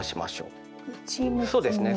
そうですね。